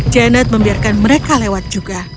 janet membiarkan mereka lewat juga